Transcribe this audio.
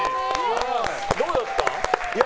どうだった？